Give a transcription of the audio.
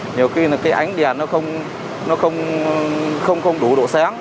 nên là cái ánh đèn nó không đủ độ sáng